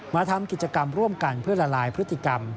มาทำกิจกรรมร่วมกันเพื่อละลายพฤติกรรม